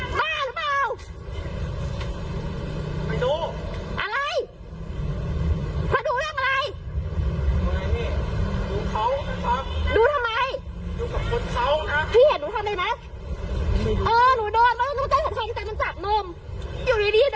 คุณมาจับมิ้งไเฟะไก่จะเขาโดนไปดี